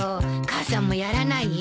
母さんもやらない？